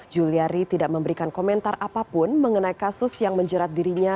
juliari tidak memberikan komentar apapun mengenai kasus yang menjerat dirinya